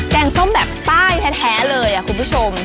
งส้มแบบป้ายแท้เลยคุณผู้ชม